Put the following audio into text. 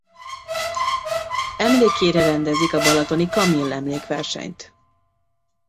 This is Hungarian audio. Emlékére rendezik a Balatoni Kamill-emlékversenyt.